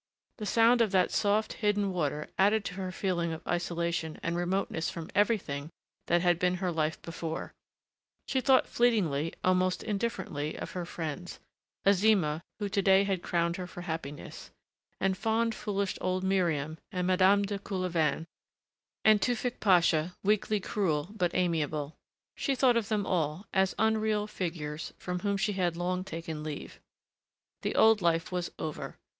The sound of that soft, hidden water added to her feeling of isolation and remoteness from everything that had been her life before she thought fleetingly, almost indifferently of her friends, Azima, who to day had crowned her for happiness, and fond, foolish old Miriam and Madame de Coulevain and Tewfick Pasha, weakly cruel, but amiable; she thought of them all, as unreal figures from whom she had long taken leave. The old life was over.